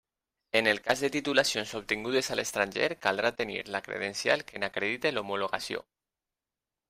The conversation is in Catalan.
En el cas de titulacions obtingudes a l'estranger, caldrà tenir la credencial que n'acredite l'homologació.